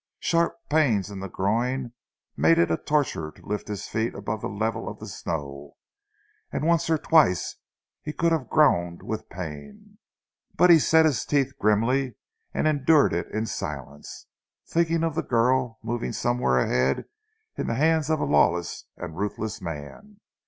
Sharp pains in the groin made it a torture to lift his feet above the level of the snow; and once or twice he could have groaned with the pain. But he set his teeth grimly, and endured it in silence, thinking of the girl moving somewhere ahead in the hands of a lawless and ruthless man.